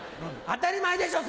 当たり前でしょ！